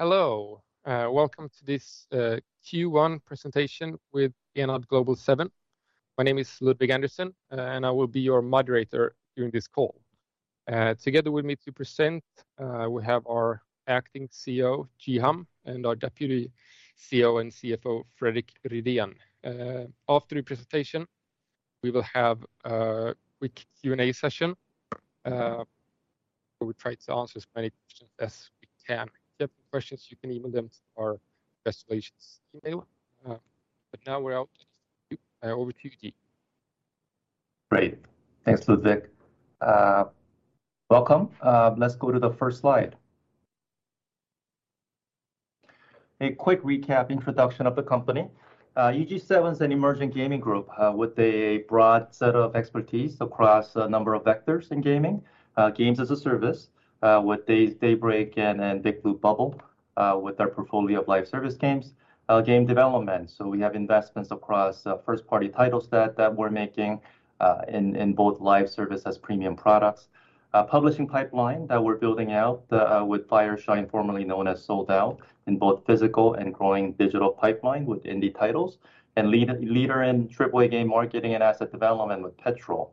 Hello, welcome to this Q1 presentation with Enad Global 7. My name is Ludvig Andersson, and I will be your moderator during this call. Together with me to present, we have our acting CEO, Ji Ham, and our deputy CEO and CFO, Fredrik Rüdén. After the presentation, we will have a quick Q&A session, where we try to answer as many questions as we can. If you have questions, you can email them to our investor relations email. Now over to you, Ji. Great. Thanks, Ludvig. Welcome. Let's go to the first slide. A quick recap introduction of the company. EG7's an emerging gaming group with a broad set of expertise across a number of vectors in gaming. Games as a service with Daybreak and Big Blue Bubble with our portfolio of live service games. Game development, so we have investments across first-party titles that we're making in both live service as premium products. A publishing pipeline that we're building out with Fireshine, formerly known as Sold Out, in both physical and growing digital pipeline with indie titles. Leader in AAA game marketing and asset development with Petrol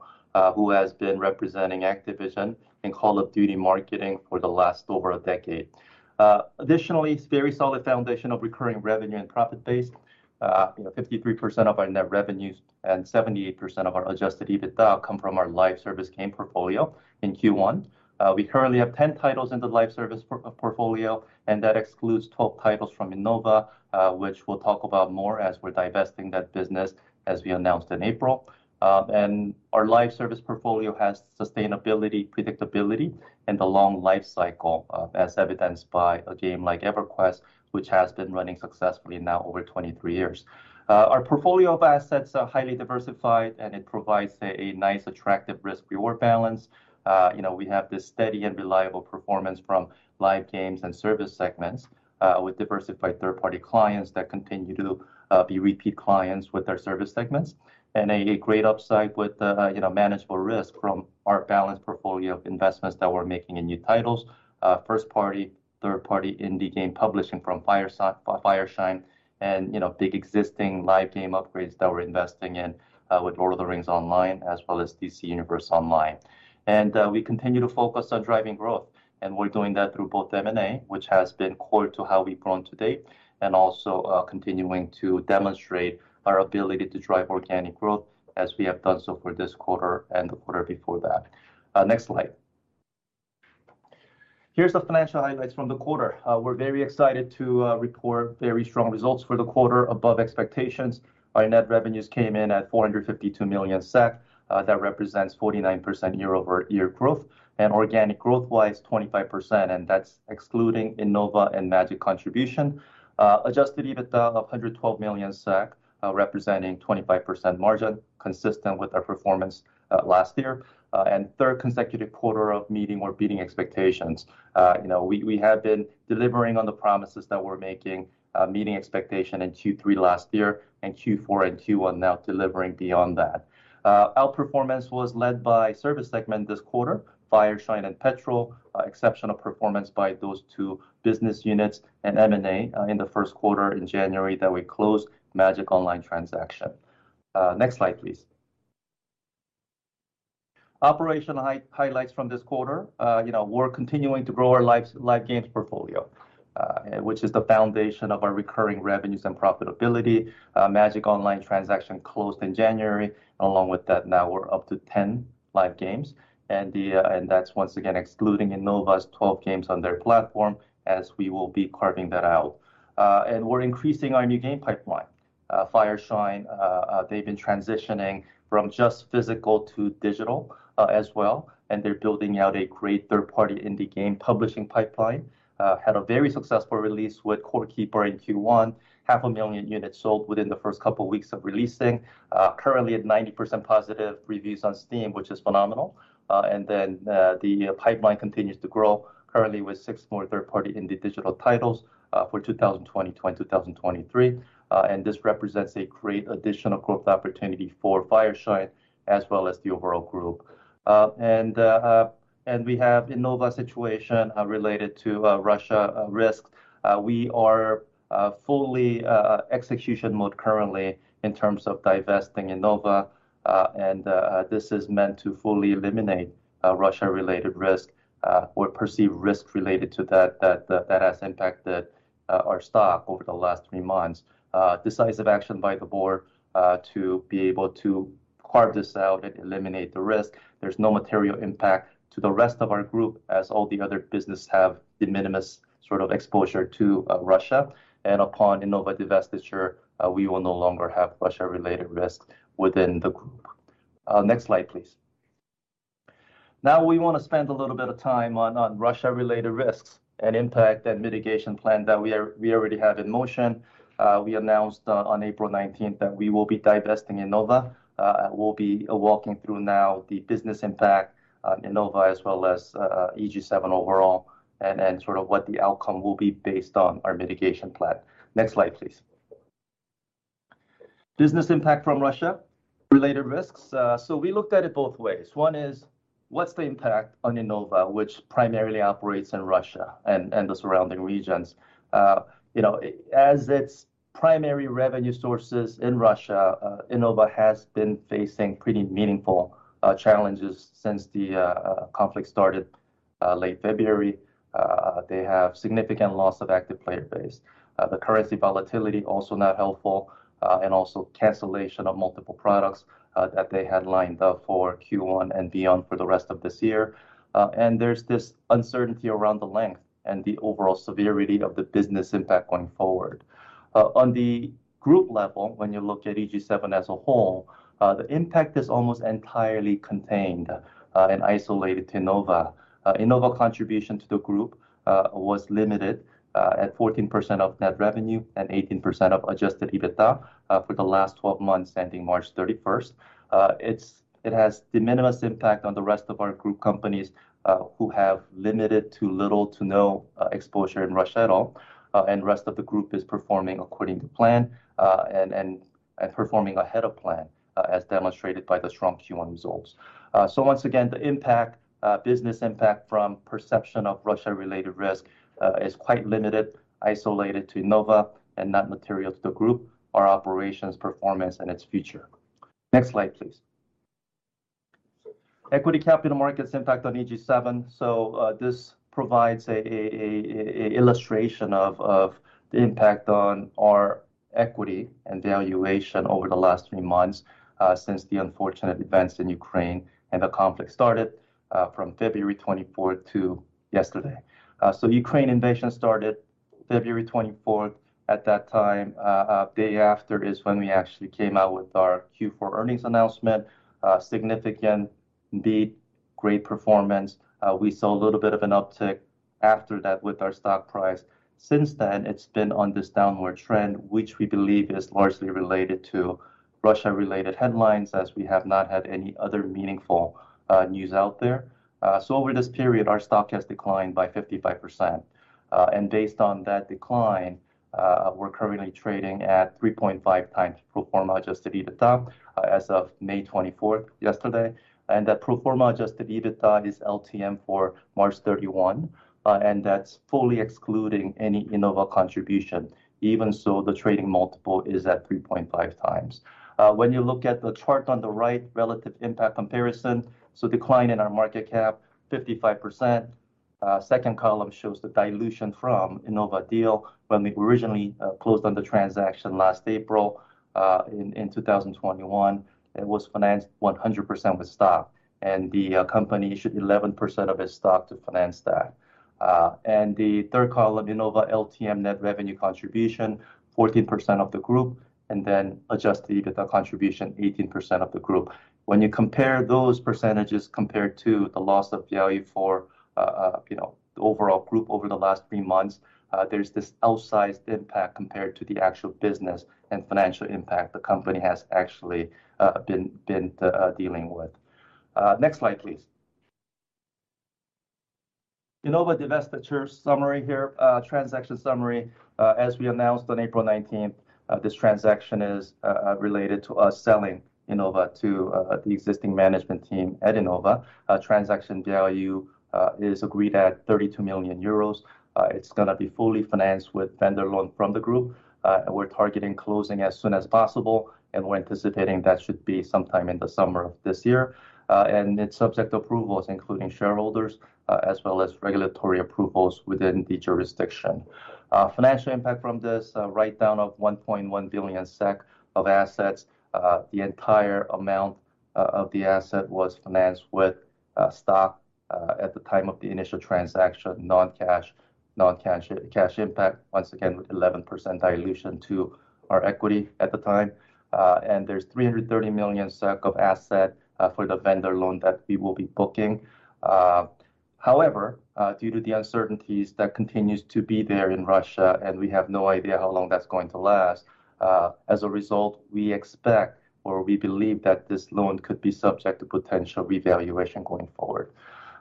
who has been representing Activision in Call of Duty marketing for the last over a decade. Additionally, it's a very solid foundation of recurring revenue and profit base. You know, 53% of our net revenues and 78% of our adjusted EBITDA come from our live service game portfolio in Q1. We currently have 10 titles in the live service portfolio, and that excludes 12 titles from Innova, which we'll talk about more as we're divesting that business as we announced in April. Our live service portfolio has sustainability, predictability, and the long life cycle, as evidenced by a game like EverQuest, which has been running successfully now over 23 years. Our portfolio of assets are highly diversified, and it provides a nice attractive risk-reward balance. You know, we have this steady and reliable performance from live games and service segments with diversified third-party clients that continue to be repeat clients with our service segments. We have a great upside with, you know, manageable risk from our balanced portfolio of investments that we're making in new titles, first party, third party indie game publishing from Fireshine and, you know, big existing live game upgrades that we're investing in with The Lord of the Rings Online as well as DC Universe Online. We continue to focus on driving growth, and we're doing that through both M&A, which has been core to how we've grown to date, and also continuing to demonstrate our ability to drive organic growth as we have done so for this quarter and the quarter before that. Next slide. Here are the financial highlights from the quarter. We're very excited to report very strong results for the quarter above expectations. Our net revenues came in at 452 million SEK. That represents 49% year-over-year growth. Organic growth-wise, 25%, and that's excluding Innova and Magic contribution. Adjusted EBITDA of 112 million SEK, representing 25% margin, consistent with our performance last year. Third consecutive quarter of meeting or beating expectations. You know, we have been delivering on the promises that we're making, meeting expectation in Q3 last year and Q4 and Q1 now delivering beyond that. Our performance was led by service segment this quarter, Fireshine and Petrol, exceptional performance by those two business units and M&A, in the Q1 in January that we closed Magic Online transaction. Next slide, please. Operational highlights from this quarter. You know, we're continuing to grow our live games portfolio, which is the foundation of our recurring revenues and profitability. Magic Online transaction closed in January. Along with that now we're up to 10 live games. That's once again excluding Innova's 12 games on their platform as we will be carving that out. We're increasing our new game pipeline. Fireshine, they've been transitioning from just physical to digital, as well, and they're building out a great third-party indie game publishing pipeline. Had a very successful release with Core Keeper in Q1. 500,000 units sold within the first couple of weeks of releasing. Currently at 90% positive reviews on Steam, which is phenomenal. The pipeline continues to grow currently with six more third-party indie digital titles for 2020 to 2023. This represents a great additional growth opportunity for Fireshine as well as the overall group. We have Innova situation related to Russia risks. We are fully execution mode currently in terms of divesting Innova, and this is meant to fully eliminate Russia-related risk or perceived risk related to that that has impacted our stock over the last three months. Decisive action by the board to be able to carve this out and eliminate the risk. There's no material impact to the rest of our group as all the other business have de minimis sort of exposure to Russia. Upon Innova divestiture, we will no longer have Russia-related risk within the group. Next slide, please. Now we wanna spend a little bit of time on Russia-related risks and impact and mitigation plan we already have in motion. We announced on April nineteenth that we will be divesting Innova. We'll be walking through now the business impact on Innova as well as EG7 overall and sort of what the outcome will be based on our mitigation plan. Next slide, please. Business impact from Russia related risks. So we looked at it both ways. One is what's the impact on Innova, which primarily operates in Russia and the surrounding regions? You know, as its primary revenue sources in Russia, Innova has been facing pretty meaningful challenges since the conflict started late February. They have significant loss of active player base. The currency volatility also not helpful, and also cancellation of multiple products that they had lined up for Q1 and beyond for the rest of this year. There's this uncertainty around the length and the overall severity of the business impact going forward. On the group level, when you look at EG7 as a whole, the impact is almost entirely contained and isolated to Innova. Innova contribution to the group was limited at 14% of net revenue and 18% of adjusted EBITDA for the last twelve months ending March thirty-first. It has de minimis impact on the rest of our group companies who have limited to little to no exposure in Russia at all. Rest of the group is performing according to plan, and performing ahead of plan, as demonstrated by the strong Q1 results. Once again, the business impact from perception of Russia-related risk is quite limited, isolated to Innova and not material to the group, our operations performance and its future. Next slide, please. Equity capital markets impact on EG7. This provides an illustration of the impact on our equity and valuation over the last three months, since the unfortunate events in Ukraine and the conflict started, from February twenty-fourth to yesterday. Ukraine invasion started February twenty-fourth. At that time, the day after is when we actually came out with our Q4 earnings announcement, significant beat, great performance. We saw a little bit of an uptick after that with our stock price. Since then, it's been on this downward trend, which we believe is largely related to Russia-related headlines as we have not had any other meaningful news out there. Over this period, our stock has declined by 55%. Based on that decline, we're currently trading at 3.5 times pro forma adjusted EBITDA as of May twenty-fourth, yesterday. That pro forma adjusted EBITDA is LTM for March thirty-one, and that's fully excluding any Innova contribution. Even so, the trading multiple is at 3.5 times. When you look at the chart on the right, relative impact comparison, so decline in our market cap 55%. Second column shows the dilution from Innova deal when we originally closed on the transaction last April in 2021. It was financed 100% with stock, and the company issued 11% of its stock to finance that. The third column, Innova LTM net revenue contribution, 14% of the group, and then adjusted EBITDA contribution, 18% of the group. When you compare those percentages compared to the loss of value for, you know, the overall group over the last three months, there's this outsized impact compared to the actual business and financial impact the company has actually been dealing with. Next slide, please. Innova divestiture summary here. Transaction summary. As we announced on April 19, this transaction is related to us selling Innova to the existing management team at Innova. Transaction value is agreed at 32 million euros. It's gonna be fully financed with vendor loan from the group. We're targeting closing as soon as possible, and we're anticipating that should be sometime in the summer of this year. It's subject to approvals, including shareholders, as well as regulatory approvals within the jurisdiction. Financial impact from this, write down of 1.1 billion SEK of assets. The entire amount of the asset was financed with stock at the time of the initial transaction, non-cash impact, once again, with 11% dilution to our equity at the time. There's 330 million SEK of assets for the vendor loan that we will be booking. However, due to the uncertainties that continues to be there in Russia, and we have no idea how long that's going to last, as a result, we expect or we believe that this loan could be subject to potential revaluation going forward.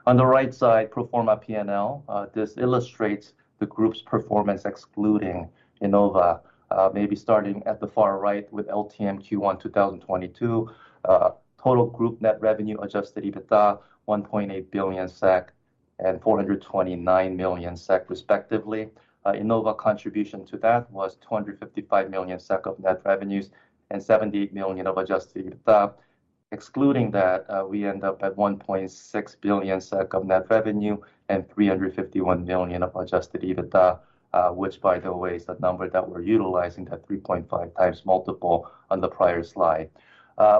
On the right side, pro forma P&L. This illustrates the group's performance excluding Innova. Maybe starting at the far right with LTM Q1 2022. Total group net revenue, adjusted EBITDA 1.8 billion SEK and 429 million SEK respectively. Innova contribution to that was 255 million SEK of net revenues and 70 million of adjusted EBITDA. Excluding that, we end up at 1.6 billion SEK of net revenue and 351 million of adjusted EBITDA, which by the way is the number that we're utilizing that 3.5x multiple on the prior slide.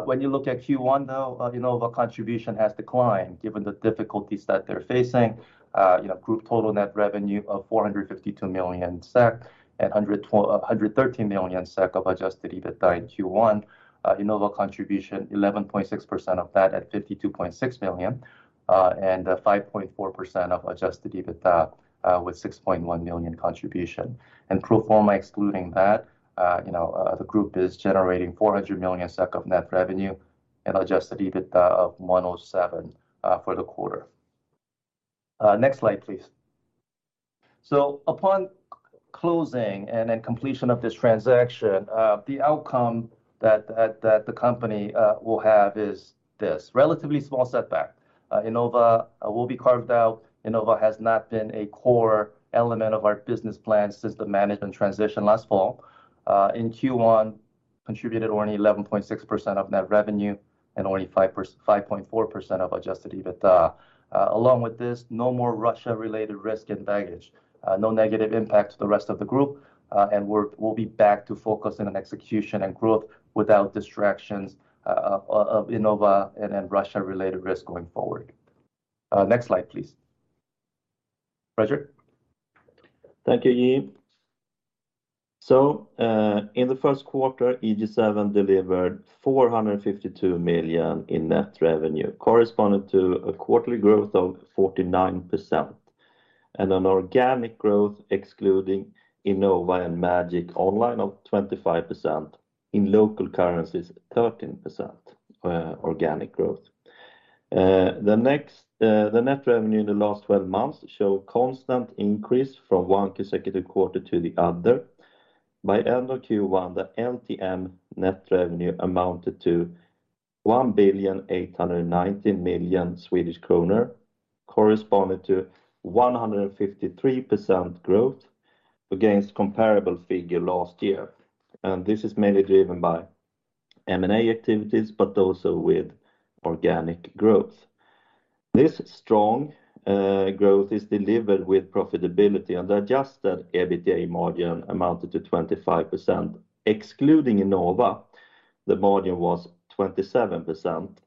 When you look at Q1 though, Innova contribution has declined given the difficulties that they're facing. You know, group total net revenue of 452 million SEK and 113 million SEK of adjusted EBITDA in Q1. Innova contribution 11.6% of that at 52.6 million, and 5.4% of adjusted EBITDA, with 6.1 million contribution. Pro forma excluding that, you know, the group is generating 400 million SEK of net revenue and adjusted EBITDA of 107 million for the quarter. Next slide please. Upon closing and then completion of this transaction, the outcome that the company will have is this relatively small setback. Innova will be carved out. Innova has not been a core element of our business plan since the management transition last fall. Innova in Q1 contributed only 11.6% of net revenue and only 5.4% of adjusted EBITDA. Along with this, no more Russia-related risk and baggage, no negative impact to the rest of the group, and we'll be back to focusing on execution and growth without distractions of Innova and Russia-related risk going forward. Next slide, please. Rüdén? Thank you, Ji. In the Q1, EG7 delivered 452 million in net revenue corresponding to a quarterly growth of 49% and an organic growth excluding Innova and Magic Online of 25%, in local currencies, 13% organic growth. The net revenue in the last twelve months show constant increase from one consecutive quarter to the other. By end of Q1, the LTM net revenue amounted to 1.89 billion corresponding to 153% growth against comparable figure last year. This is mainly driven by M&A activities, but also with organic growth. This strong growth is delivered with profitability, and the adjusted EBITDA margin amounted to 25%. Excluding Innova, the margin was 27%.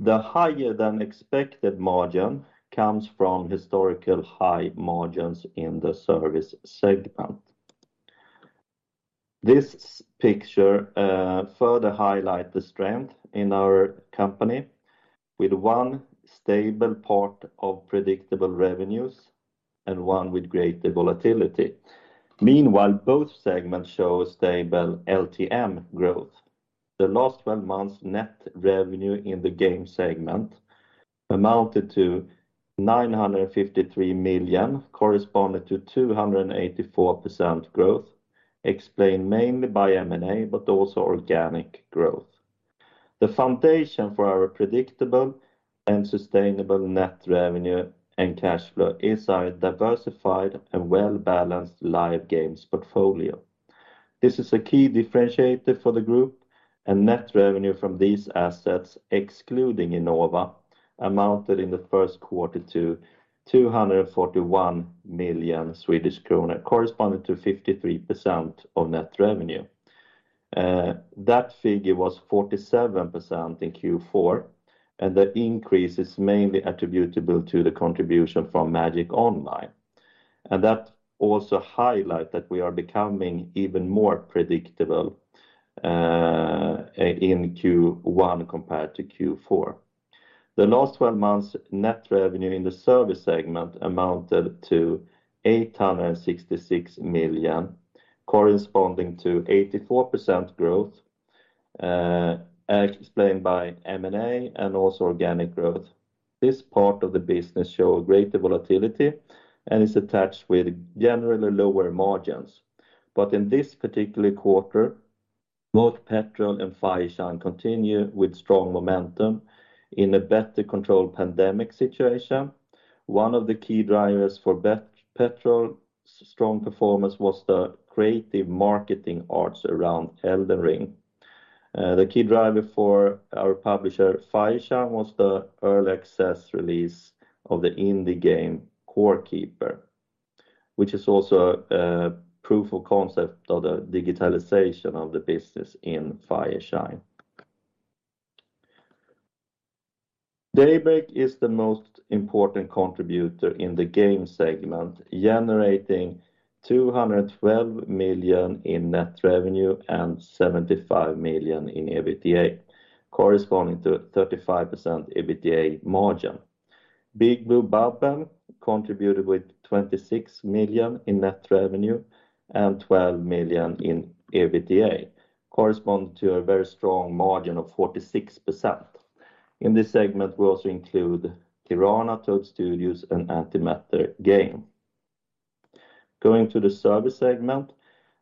The higher than expected margin comes from historical high margins in the service segment. This picture further highlight the strength in our company with one stable part of predictable revenues and one with greater volatility. Meanwhile, both segments show a stable LTM growth. The last twelve months net revenue in the game segment amounted to 953 million corresponding to 284% growth explained mainly by M&A, but also organic growth. The foundation for our predictable and sustainable net revenue and cash flow is our diversified and well-balanced live games portfolio. This is a key differentiator for the group, and net revenue from these assets, excluding Innova, amounted in the Q1 to 241 million Swedish kronor corresponding to 53% of net revenue. That figure was 47% in Q4, and the increase is mainly attributable to the contribution from Magic Online. That also highlight that we are becoming even more predictable in Q1 compared to Q4. The last twelve months net revenue in the service segment amounted to 866 million corresponding to 84% growth, explained by M&A and also organic growth. This part of the business show greater volatility and is attached with generally lower margins. In this particular quarter, both Petrol and Fireshine continue with strong momentum in a better controlled pandemic situation. One of the key drivers for Petrol strong performance was the creative marketing ads around Elden Ring. The key driver for our publisher, Fireshine, was the early access release of the indie game Core Keeper, which is also a proof of concept of the digitalization of the business in Fireshine. Daybreak is the most important contributor in the game segment, generating 212 million in net revenue and 75 million in EBITDA corresponding to a 35% EBITDA margin. Big Blue Bubble contributed with 26 million in net revenue and 12 million in EBITDA corresponding to a very strong margin of 46%. In this segment, we also include Innova, Toadman Studios, and Antimatter Games. Going to the service segment,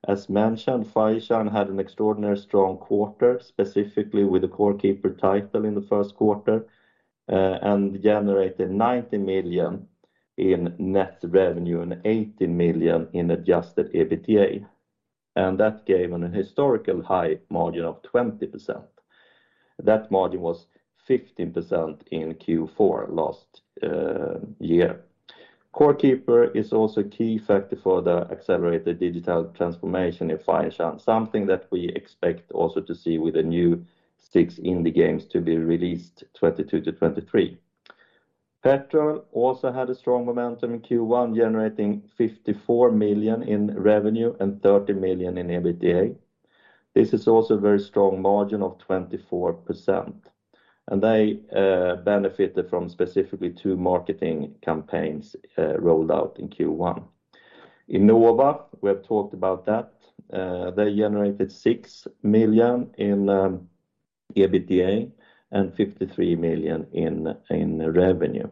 as mentioned, Fireshine had an extraordinary strong quarter, specifically with the Core Keeper title in the Q1, and generated 90 million in net revenue and 80 million in adjusted EBITDA. That gave an historical high margin of 20%. That margin was 15% in Q4 last year. Core Keeper is also a key factor for the accelerated digital transformation in Fireshine, something that we expect also to see with the new six indie games to be released 2022-2023. Petrol also had a strong momentum in Q1, generating 54 million in revenue and 30 million in EBITDA. This is also a very strong margin of 24%. They benefited from specifically two marketing campaigns rolled out in Q1. Innova, we have talked about that. They generated 6 million in EBITDA and 53 million in revenue.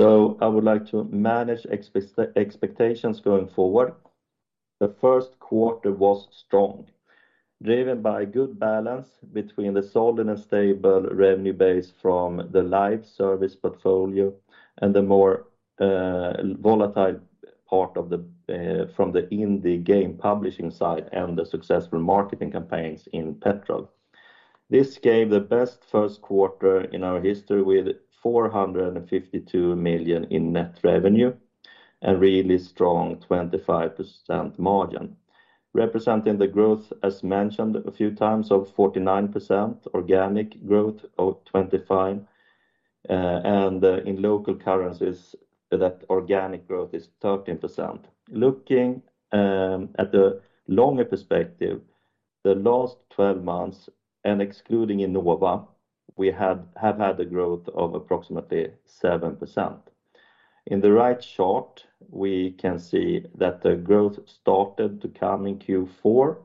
I would like to manage expectations going forward. The Q1 was strong, driven by good balance between the solid and stable revenue base from the live service portfolio and the more volatile part of the from the indie game publishing side and the successful marketing campaigns in Petrol. This gave the best Q1 in our history with 452 million in net revenue and really strong 25% margin. Representing the growth, as mentioned a few times, of 49% organic growth of 25, and in local currencies that organic growth is 13%. Looking at the longer perspective, the last twelve months and excluding Innova, we have had a growth of approximately 7%. In the right chart, we can see that the growth started to come in Q4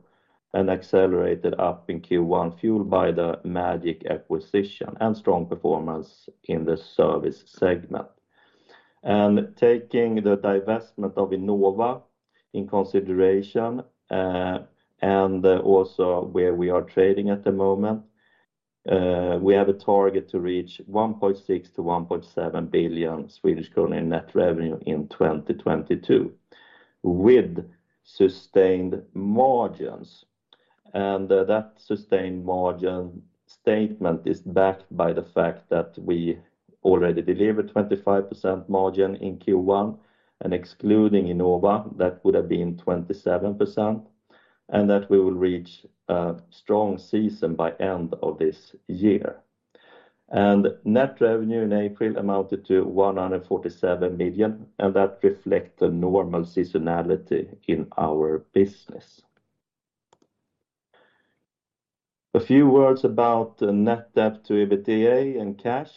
and accelerated up in Q1, fueled by the Magic acquisition and strong performance in the service segment. Taking the divestment of Innova in consideration, and also where we are trading at the moment, we have a target to reach 1.6 billion-1.7 billion Swedish kronor in net revenue in 2022 with sustained margins. That sustained margin statement is backed by the fact that we already delivered 25% margin in Q1, and excluding Innova, that would have been 27%, and that we will reach a strong season by end of this year. Net revenue in April amounted to 147 million, and that reflect the normal seasonality in our business. A few words about net debt to EBITDA and cash.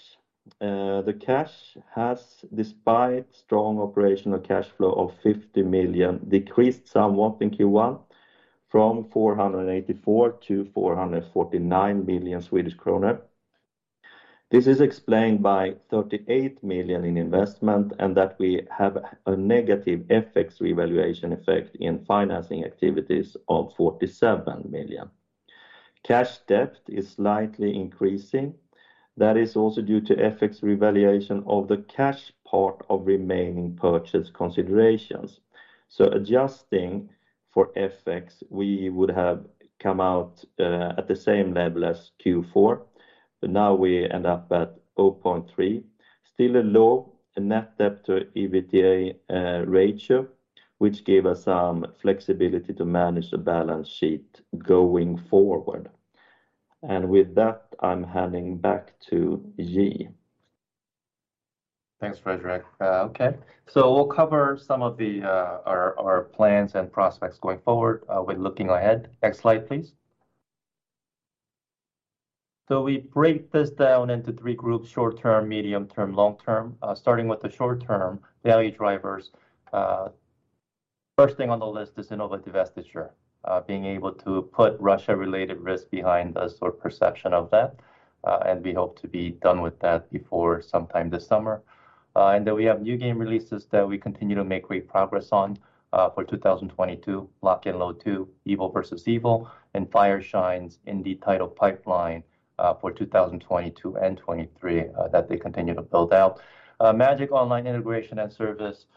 The cash has, despite strong operational cash flow of 50 million, decreased somewhat in Q1 from 484 million-449 million Swedish kronor. This is explained by 38 million in investment, and that we have a negative FX revaluation effect in financing activities of 47 million. Cash debt is slightly increasing. That is also due to FX revaluation of the cash part of remaining purchase considerations. Adjusting for FX, we would have come out at the same level as Q4, but now we end up at 0.3. Still a low net debt to EBITDA ratio, which gave us some flexibility to manage the balance sheet going forward. With that, I'm handing back to Ji Ham. Thanks, Fredrik. Okay. We'll cover some of the our plans and prospects going forward with looking ahead. Next slide, please. We break this down into three groups, short term, medium term, long term. Starting with the short term value drivers, first thing on the list is Innova divestiture, being able to put Russia-related risk behind us or perception of that, we hope to be done with that before sometime this summer. Then we have new game releases that we continue to make great progress on for 2022. Lock and Load II, Evil vs. Evil, and Fireshine's indie title pipeline for 2022 and 2023 that they continue to build out. Magic Online integration and service,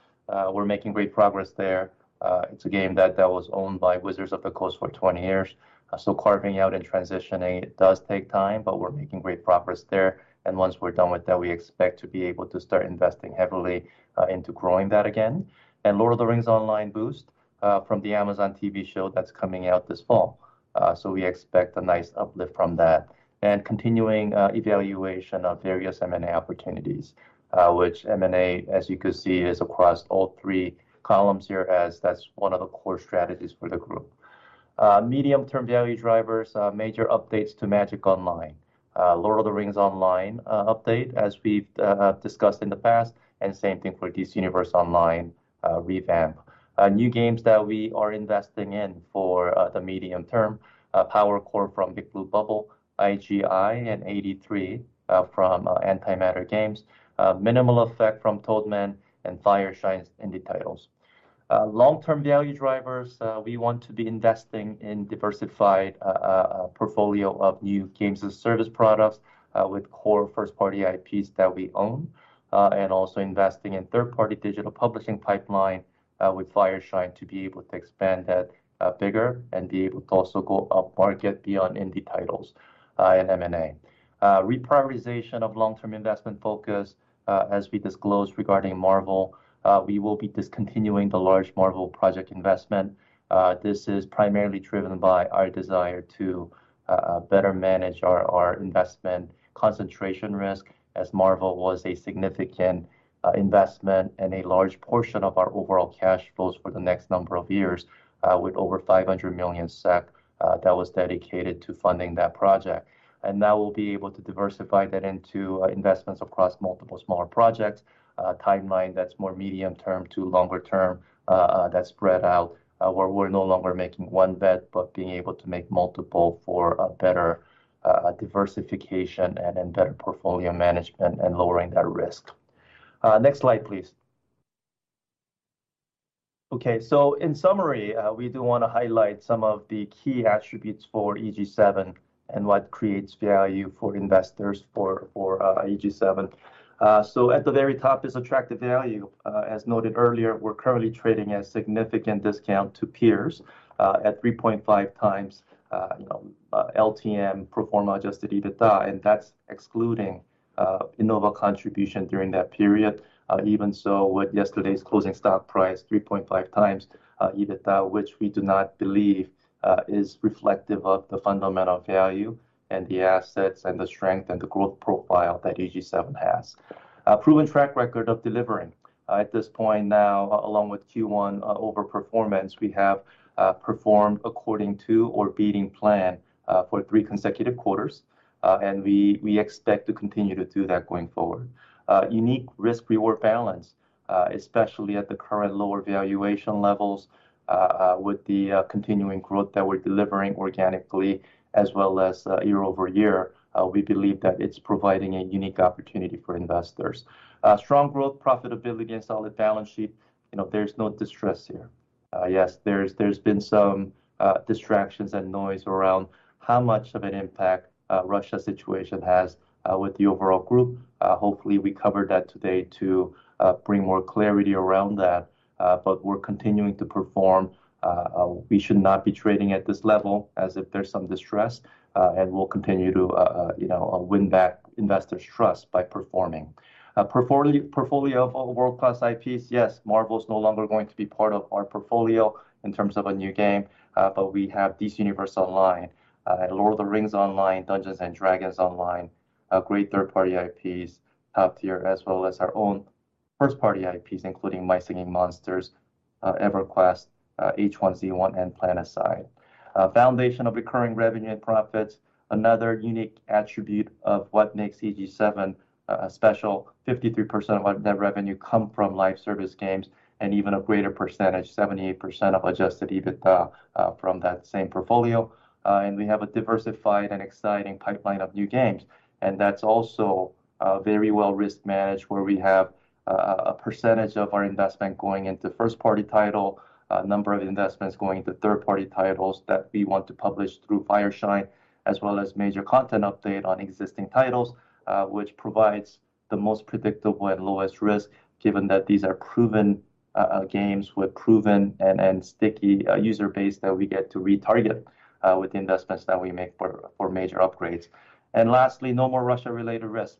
we're making great progress there. It's a game that was owned by Wizards of the Coast for 20 years, so carving out and transitioning it does take time, but we're making great progress there. Once we're done with that, we expect to be able to start investing heavily into growing that again. Lord of the Rings Online boost from the Amazon TV show that's coming out this fall. We expect a nice uplift from that. Continuing evaluation of various M&A opportunities, which M&A, as you can see, is across all three columns here as that's one of the core strategies for the group. Medium-term value drivers, major updates to Magic Online, Lord of the Rings Online update, as we've discussed in the past, and same thing for DC Universe Online revamp. New games that we are investing in for the medium term, Power Core from Big Blue Bubble, I.G.I. Origins and '83 from Antimatter Games, Minimal Affect from Toadman Studios and Fireshine Games's indie titles. Long-term value drivers, we want to be investing in diversified portfolio of new games and service products with core first-party IPs that we own and also investing in third-party digital publishing pipeline with Fireshine Games to be able to expand that bigger and be able to also go upmarket beyond indie titles and M&A. Reprioritization of long-term investment focus, as we disclosed regarding Marvel, we will be discontinuing the large Marvel project investment. This is primarily driven by our desire to better manage our investment concentration risk as Marvel was a significant investment and a large portion of our overall cash flows for the next number of years with over 500 million SEK that was dedicated to funding that project. Now we'll be able to diversify that into investments across multiple smaller projects timeline that's more medium term to longer term that's spread out where we're no longer making one bet, but being able to make multiple for a better diversification and better portfolio management and lowering that risk. Next slide, please. Okay, in summary, we do wanna highlight some of the key attributes for EG7 and what creates value for investors for EG7. At the very top is attractive value. As noted earlier, we're currently trading at a significant discount to peers at 3.5x, you know, LTM pro forma adjusted EBITDA, and that's excluding Innova contribution during that period. Even so, with yesterday's closing stock price, 3.5x EBITDA, which we do not believe is reflective of the fundamental value and the assets and the strength and the growth profile that EG7 has. A proven track record of delivering. At this point now, along with Q1 over performance, we have performed according to or beating plan for three consecutive quarters. We expect to continue to do that going forward. Unique risk/reward balance, especially at the current lower valuation levels, with the continuing growth that we're delivering organically as well as year-over-year, we believe that it's providing a unique opportunity for investors. Strong growth profitability and solid balance sheet, you know, there's no distress here. Yes, there's been some distractions and noise around how much of an impact Russia situation has with the overall group. Hopefully we covered that today to bring more clarity around that, but we're continuing to perform. We should not be trading at this level as if there's some distress, and we'll continue to, you know, win back investors' trust by performing. A portfolio of all world-class IPs, yes, Marvel's no longer going to be part of our portfolio in terms of a new game, but we have DC Universe Online, Lord of the Rings Online, Dungeons & Dragons Online, great third-party IPs, top tier, as well as our own first-party IPs including My Singing Monsters, EverQuest, H1Z1 and PlanetSide. Foundation of recurring revenue and profits, another unique attribute of what makes EG7 special, 53% of our net revenue come from live service games, and even a greater percentage, 78% of adjusted EBITDA, from that same portfolio. We have a diversified and exciting pipeline of new games, and that's also very well risk managed where we have a percentage of our investment going into first party title, a number of investments going into third party titles that we want to publish through Fireshine, as well as major content update on existing titles, which provides the most predictable and lowest risk given that these are proven games with proven and sticky user base that we get to retarget with the investments that we make for major upgrades. Lastly, no more Russia-related risk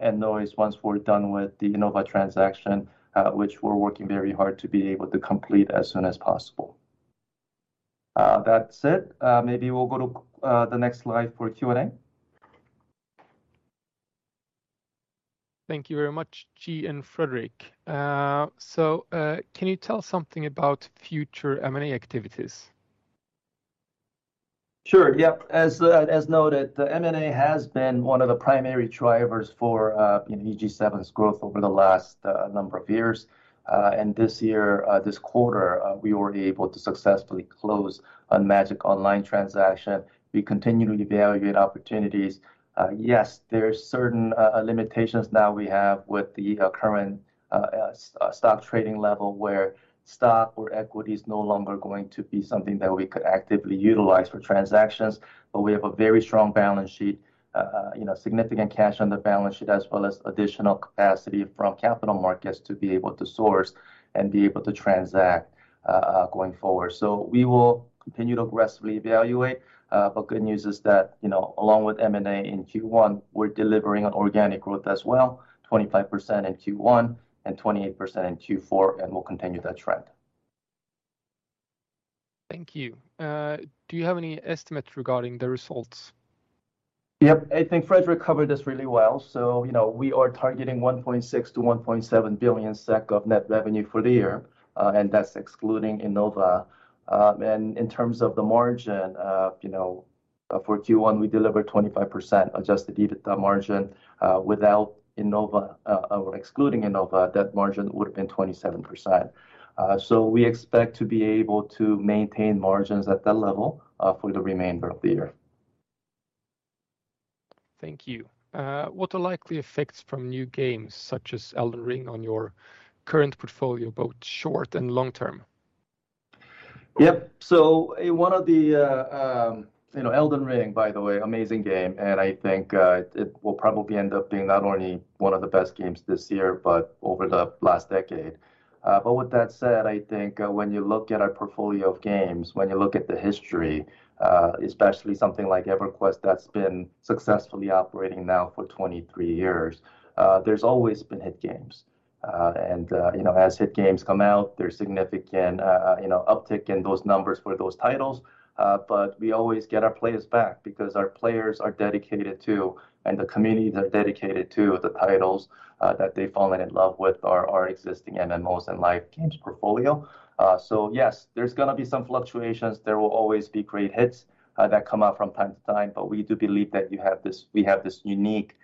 and noise once we're done with the Innova transaction, which we're working very hard to be able to complete as soon as possible. That's it. Maybe we'll go to the next slide for Q&A. Thank you very much, Ji and Fredrik. Can you tell something about future M&A activities? Sure, yep. As noted, the M&A has been one of the primary drivers for, you know, EG7's growth over the last number of years. This year, this quarter, we were able to successfully close a Magic Online transaction. We continue to evaluate opportunities. Yes, there's certain limitations now we have with the current stock trading level where stock or equity is no longer going to be something that we could actively utilize for transactions, but we have a very strong balance sheet, you know, significant cash on the balance sheet as well as additional capacity from capital markets to be able to source and be able to transact going forward. We will continue to aggressively evaluate, but good news is that, you know, along with M&A in Q1, we're delivering an organic growth as well, 25% in Q1 and 28% in Q4, and we'll continue that trend. Thank you. Do you have any estimates regarding the results? Yep. I think Fredrik covered this really well. You know, we are targeting 1.6 billion-1.7 billion SEK of net revenue for the year, and that's excluding Innova. In terms of the margin, you know, for Q1, we delivered 25% adjusted EBITDA margin. Without Innova, or excluding Innova, that margin would've been 27%. We expect to be able to maintain margins at that level for the remainder of the year. Thank you. What are likely effects from new games such as Elden Ring on your current portfolio, both short and long term? Yep. One of the. You know, Elden Ring, by the way, amazing game, and I think it will probably end up being not only one of the best games this year, but over the last decade. With that said, I think when you look at our portfolio of games, when you look at the history, especially something like EverQuest that's been successfully operating now for 23 years, there's always been hit games. You know, as hit games come out, there's significant uptick in those numbers for those titles, but we always get our players back because our players are dedicated to, and the community, they're dedicated to the titles that they've fallen in love with our existing MMOs and live games portfolio. Yes, there's gonna be some fluctuations. There will always be great hits that come out from time to time, but we do believe that we have this unique,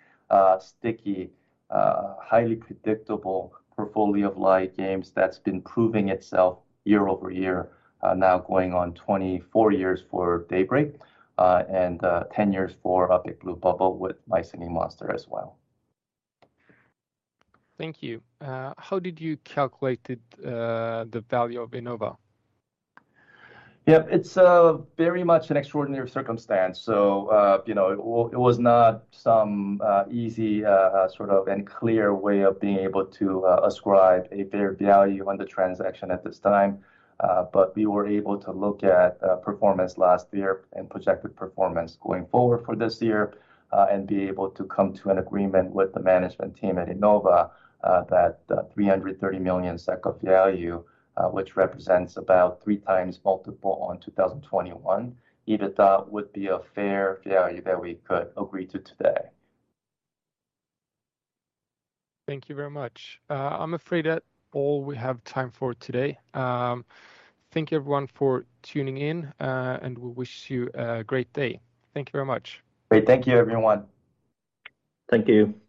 sticky, highly predictable portfolio of live games that's been proving itself year over year, now going on 24 years for Daybreak, and 10 years for Big Blue Bubble with My Singing Monsters as well. Thank you. How did you calculate it, the value of Innova? Yep. It's very much an extraordinary circumstance. You know, it was not some easy sort of and clear way of being able to ascribe a fair value on the transaction at this time. We were able to look at performance last year and projected performance going forward for this year, and be able to come to an agreement with the management team at Innova, that 330 million SEK of value, which represents about 3x multiple on 2021 EBITDA would be a fair value that we could agree to today. Thank you very much. I'm afraid that's all we have time for today. Thank you everyone for tuning in, and we wish you a great day. Thank you very much. Great. Thank you everyone. Thank you.